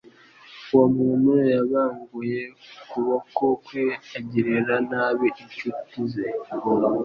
Uwo muntu yabanguye ukuboko kwe agirira nabi incuti ze